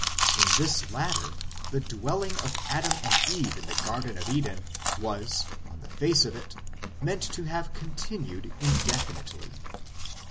In this latter the dwelling of Adam and Eve in the Garden of Eden was, on the face of it, meant to have continued indefinitely.